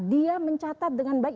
dia mencatat dengan baik